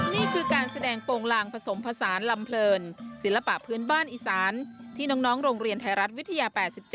นี่คือการแสดงโปรงลางผสมผสานลำเพลินศิลปะพื้นบ้านอีสานที่น้องโรงเรียนไทยรัฐวิทยา๘๗